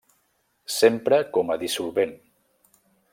S'empra com a dissolvent.